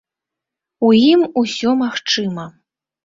У ім усё магчыма.